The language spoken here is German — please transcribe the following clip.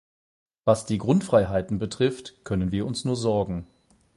Was die Grundfreiheiten betrifft, können wir uns nur sorgen.